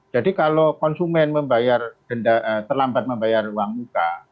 jadi kalau konsumen terlambat membayar uang muka